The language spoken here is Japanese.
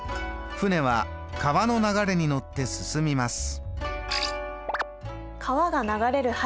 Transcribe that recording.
舟は川の流れに乗って進みます。